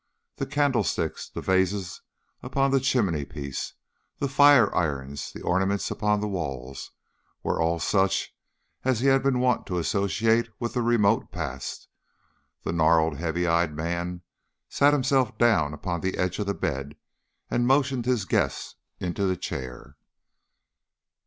The candlesticks, the vases upon the chimney piece, the fire irons, the ornaments upon the walls, were all such as he had been wont to associate with the remote past. The gnarled heavy eyed man sat himself down upon the edge of the bed, and motioned his guest into the chair.